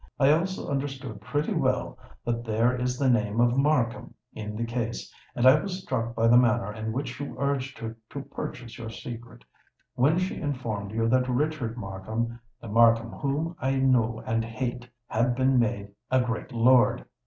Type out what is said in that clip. I also understood pretty well that there is the name of Markham in the case; and I was struck by the manner in which you urged her to purchase your secret, when she informed you that Richard Markham—the Markham whom I know and hate—had been made a great lord.